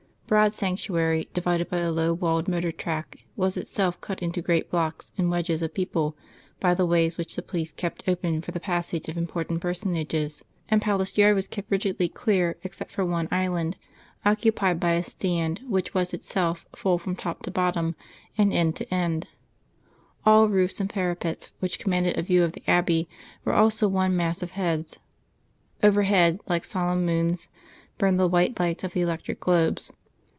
Broad Sanctuary, divided by the low walled motor track, was itself cut into great blocks and wedges of people by the ways which the police kept open for the passage of important personages, and Palace Yard was kept rigidly clear except for one island, occupied by a stand which was itself full from top to bottom and end to end. All roofs and parapets which commanded a view of the Abbey were also one mass of heads. Overhead, like solemn moons, burned the white lights of the electric globes.